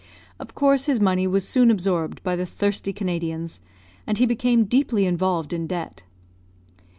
Of course his money was soon absorbed by the thirsty Canadians, and he became deeply involved in debt.